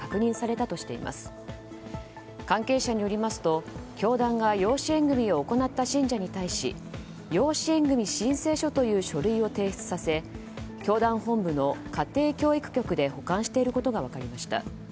関係者によりますと、教団が養子縁組を行った信者に対し養子縁組申請書という書類を提出させ教団本部の家庭教育局で保管していることが分かりました。